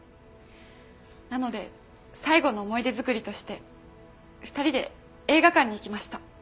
なので最後の思い出づくりとして２人で映画館に行きました。